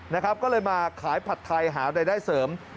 นะครับก็เลยมาขายผัดไทยหารายได้เสริม